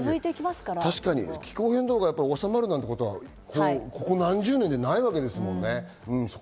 気候変動がおさまるなんてことはここ何十年ないわけですもんね。